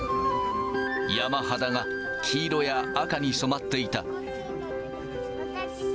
山肌が黄色や赤に染まっていた。